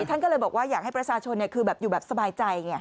ท่านก็เลยบอกว่าอยากให้ประชาชนคืออยู่แบบสบายใจไง